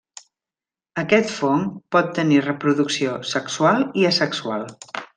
Aquest fong pot tenir reproducció sexual i asexual.